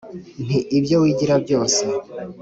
nti: “ibyo wigira byose